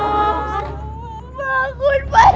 mas bangun mas